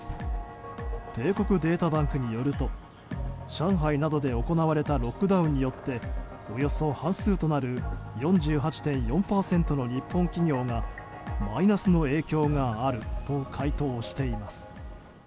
帝国データバンクによると上海などで行われたロックダウンによっておよそ半数となる４８．４％の日本企業がマイナスの影響があると回答しています。